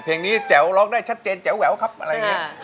เพลงนี้แจ๋วร้องได้ชัดเจนแจ๋วแหววครับอะไรอย่างนี้